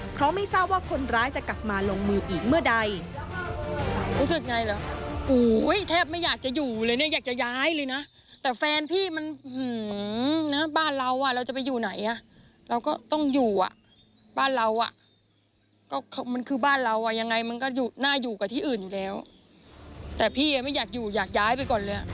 เพราะไม่ทราบว่าคนร้ายจะกลับมาลงมืออีกเมื่อใด